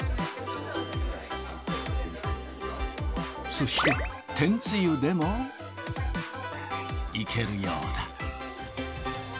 そして天つゆでも、いけるようだ。